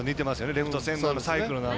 レフト線のサイクルと。